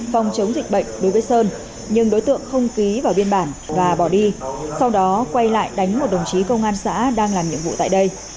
phòng chống dịch bệnh đối với sơn nhưng đối tượng không ký vào biên bản và bỏ đi sau đó quay lại đánh một đồng chí công an xã đang làm nhiệm vụ tại đây